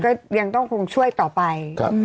ก็ยังต้องคงช่วยต่อไป